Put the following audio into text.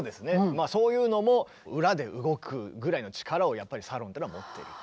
まあそういうのも裏で動くぐらいの力をやっぱりサロンっていうのは持ってる。